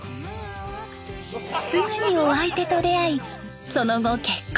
すぐにお相手と出会いその後結婚。